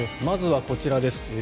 まずはこちらです。